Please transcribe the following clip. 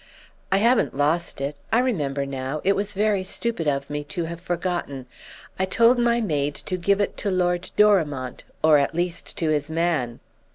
"'I haven't lost it. I remember now—it was very stupid of me to have forgotten. I told my maid to give it to Lord Dorimont—or at least to his man.